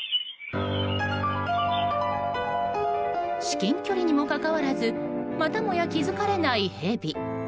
至近距離にもかかわらずまたもや気付かれないヘビ。